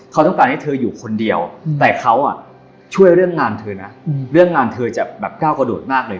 เขาต้องการให้เธออยู่คนเดียวแต่เขาช่วยเรื่องงานเธอนะเรื่องงานเธอจะแบบก้าวกระโดดมากเลย